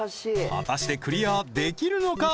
果たしてクリアできるのか？